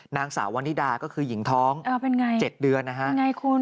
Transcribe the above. นางสาววันนิดาก็คือหญิงท้อง๗เดือนนะครับเป็นอย่างไรคุณ